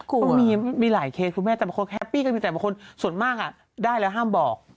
จนมีหลายเค้นคือแม่จำเป็นคนแฮปปี้รู้ใจมากก็คนส่วนมากอ่ะได้แล้วห้ามบอก